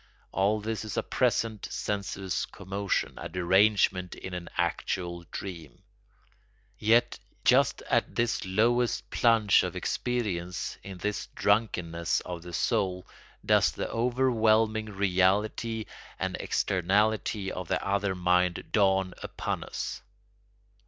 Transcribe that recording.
All this is a present sensuous commotion, a derangement in an actual dream. Yet just at this lowest plunge of experience, in this drunkenness of the soul, does the overwhelming reality and externality of the other mind dawn upon us.